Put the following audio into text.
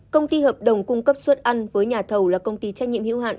công ty hợp đồng cung cấp suất ăn với nhà thầu là công ty trách nhiệm hữu hạn